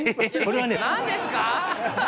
何ですか！？